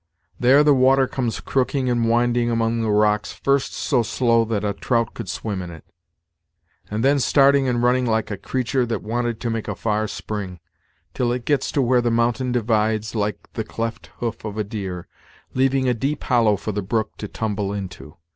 There the water comes crooking and winding among the rocks, first so slow that a trout could swim in it, and then starting and running like a creatur' that wanted to make a far spring, till it gets to where the mountain divides, like the cleft hoof of a deer, leaving a deep hollow for the brook to tumble into.